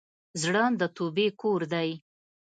زړه د توبې کور دی.